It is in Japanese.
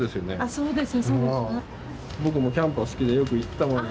そうです。